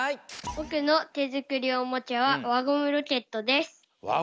ぼくのてづくりおもちゃはわゴムロケット。